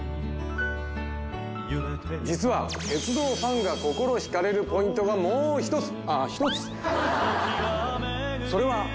実は鉄道ファンが心惹かれるポイントがもう一つ。